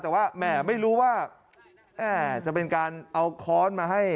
แต่ว่าแหม่ไม่รู้ว่าจะเป็นการเอาค้อนมาให้